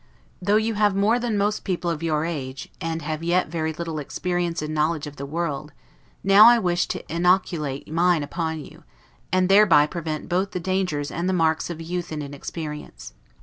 Though you have more than most people of your age, you have yet very little experience and knowledge of the world; now, I wish to inoculate mine upon you, and thereby prevent both the dangers and the marks of youth and inexperience.